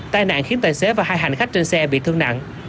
tai nạn khiến tài xế và hai hành khách trên xe bị thương nặng